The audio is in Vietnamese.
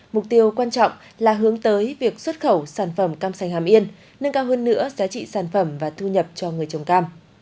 mục tiêu quan trọng là hướng tới việc xuất khẩu sản phẩm cam sành hàm yên nâng cao hơn nữa giá trị sản phẩm và thu nhập cho người trồng cam